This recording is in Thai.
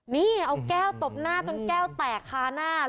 นี่เอาแก้วตบหน้าจนแก้วแตกคาหน้า